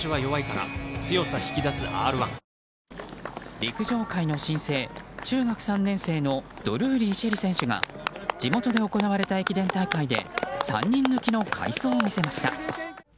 陸上界の新星中学３年生のドルーリー朱瑛里選手が地元で行われた駅伝大会で３人抜きの快走を見せました。